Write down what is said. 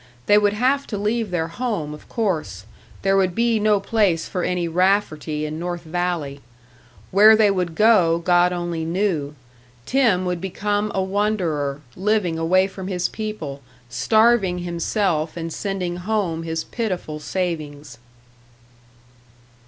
They would have to leave their home, of course; there would be no place for any Rafferty in North Valley. Where they would go, God only knew; Tim would become a wanderer, living away from his people, starving himself and sending home his pitiful savings.